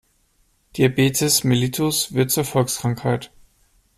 Diabetes mellitus wird zur Volkskrankheit.